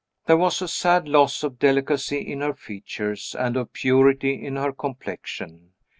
There was a sad loss of delicacy in her features, and of purity in her complexion.